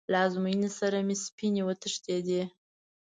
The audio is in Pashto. له ازموینې سره مې سپینې وتښتېدې.